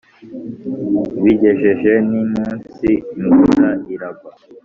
bigejeje nimunsi imvura iragwa.